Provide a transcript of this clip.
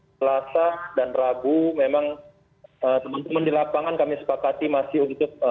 selasa dan rabu memang teman teman di lapangan kami sepakati masih untuk